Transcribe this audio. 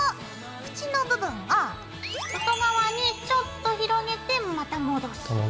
縁の部分を外側にちょっと広げてまた戻す。